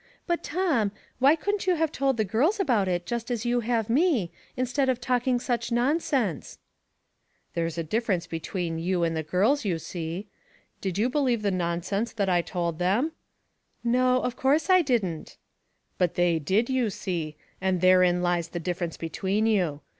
''But, Tom, why couldn't you have told the girls about it just as you have me, instead of talking such nonsense ?"" There's a difference between you and the girls, you see. Did you believe the nonsense that I told them ?"" No, of course I didn't." " But they did, you see ; and therein lies the difference between you.